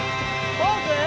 ポーズ！